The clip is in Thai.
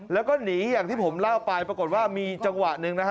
แล้วก็หนีอย่างที่ผมเล่าไปปรากฏว่ามีจังหวะหนึ่งนะฮะ